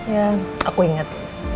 ya aku inget